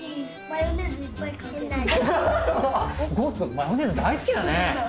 マヨネーズ大好きだね。